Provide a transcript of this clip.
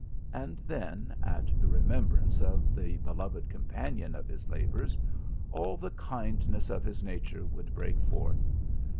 " And then at the remembrance of the beloved companion of his labours all the kind ness of his nature would break forth.